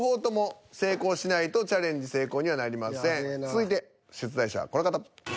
続いて出題者はこの方。